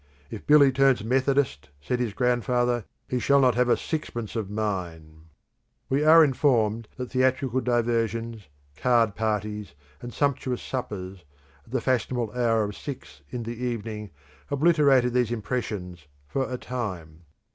"If Billy turns Methodist," said his grandfather, "he shall not have a sixpence of mine." We are informed that theatrical diversions, card parties, and sumptuous suppers (at the fashionable hour of six in the evening) obliterated these impressions for a time.